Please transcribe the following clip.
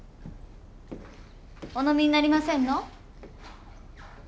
お飲みになりませんの？